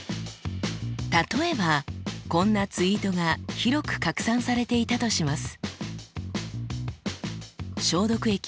例えばこんなツイートが広く拡散されていたとします。